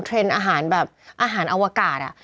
เทรนด์อาหารแบบอาหารอวกาศอ่ะ